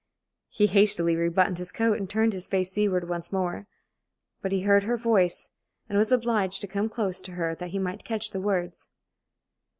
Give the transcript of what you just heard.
He hastily rebuttoned his coat, and turned his face seaward once more. But he heard her voice, and was obliged to come close to her that he might catch the words.